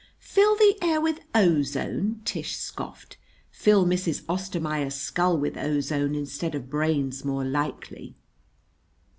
"Fill the air with ozone!" Tish scoffed. "Fill Mrs. Ostermaier's skull with ozone, instead of brains, more likely!"